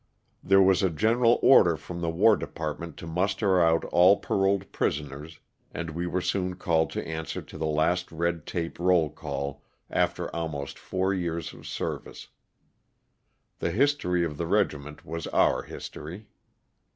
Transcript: There was a general order from the War Department to muster out all paroled prisoners and we were soon called to answer to the last red tape roll call after LOSS OF THE SULTANA. 365 almost four years of service. The history of the regiment was our history.